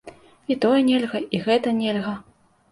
І тое нельга, і гэта нельга.